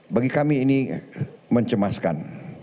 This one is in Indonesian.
bagi kami ini mencemaskan